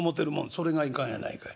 「それがいかんやないかい。